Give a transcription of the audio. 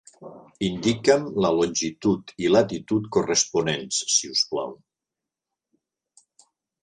Indica'm la longitud i latitud corresponents, si us plau!